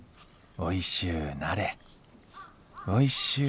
おいしゅうなれ。